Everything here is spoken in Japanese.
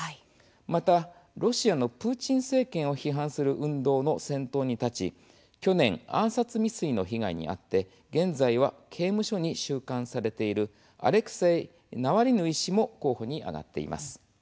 またロシアのプーチン政権を批判する運動の先頭に立ち去年、暗殺未遂の被害に遭って現在は刑務所に収監されているアレクセイ・ナワリヌイ氏も候補に挙がっています。